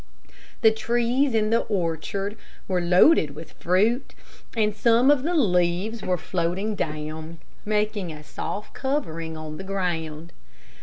The trees in the orchard were loaded with fruit, and some of the leaves were floating down, making a soft covering on the ground.